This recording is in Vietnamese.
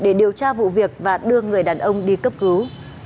để điều tra vụ việc và đưa người đàn ông đi cấp cứu